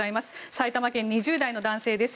埼玉県２０代の男性です。